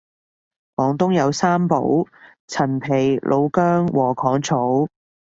廣東有三寶陳皮老薑禾桿草